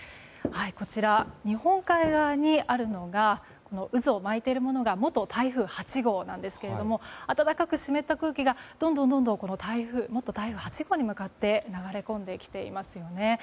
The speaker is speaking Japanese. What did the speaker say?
こちら、日本海側にあるのが渦を巻いているものが元台風８号なんですが暖かく湿った空気がどんどん元台風８号に向かって流れ込んできていますよね。